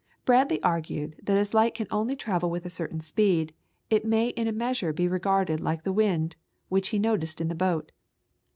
Bradley argued that as light can only travel with a certain speed, it may in a measure be regarded like the wind, which he noticed in the boat.